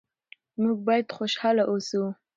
موږ باید خوشحاله اوسو.